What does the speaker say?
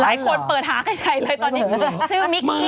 หลายคนเปิดหาใครใจเลยตอนนี้ชื่อมิกกี้